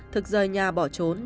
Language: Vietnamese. thực rời nhà bỏ trốn